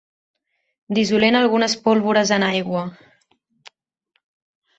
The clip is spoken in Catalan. Dissolent algunes pólvores en aigua.